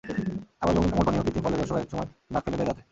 আবার রঙিন কোমল পানীয়, কৃত্রিম ফলের রসও একসময় দাগ ফেলে দেয় দাঁতে।